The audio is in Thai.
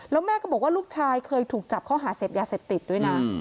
แล้วแม่ก็บอกว่าลูกชายเคยถูกจับข้อหาเสพยาเสพติดด้วยนะ